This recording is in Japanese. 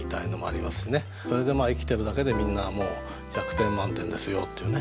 それでまあ「生きてるだけでみんなもう１００点満点ですよ」っていうね。